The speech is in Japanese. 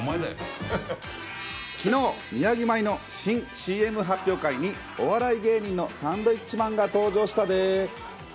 きのう、宮城米の新ＣＭ発表会にお笑い芸人のサンドウィッチマンが登場したで。